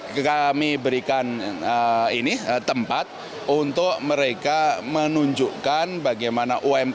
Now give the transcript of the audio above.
kami berikan tempat untuk mereka menunjukkan bagaimana umkm di indonesia itu berkembang